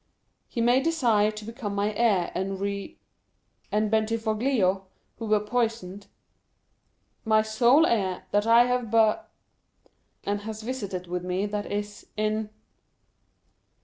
he may desire to become my heir, and re... and Bentivoglio, who were poisoned,... my sole heir, that I have bu... and has visited with me, that is, in...